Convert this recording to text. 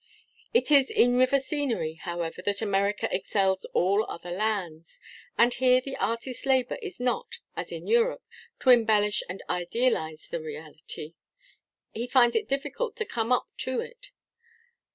It is in river scenery, however, that America excels all other lands: and here the artist's labour is not, as in Europe, to embellish and idealise the reality; he finds it difficult to come up to it.